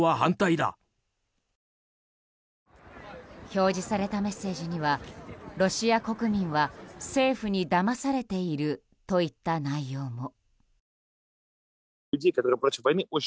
表示されたメッセージにはロシア国民は政府にだまされているといった内容も。